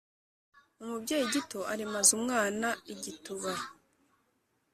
umubyeyi gito aremaza umwana igituba.